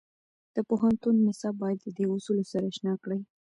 د پوهنتونو نصاب باید د دې اصولو سره اشنا کړي.